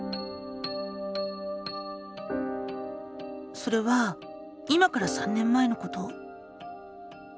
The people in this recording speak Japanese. それは今から３年前のこと。